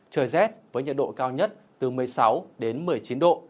trời rét với nhiệt độ cao nhất từ một mươi sáu đến một mươi chín độ